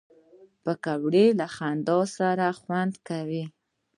پکورې له خندا سره خوند کوي